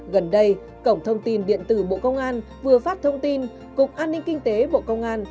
gần đây cổng thông tin điện tử bộ công an vừa phát thông tin cục an ninh kinh tế bộ công an